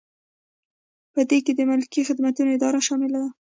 په دې کې د ملکي خدمتونو اداره شامله ده.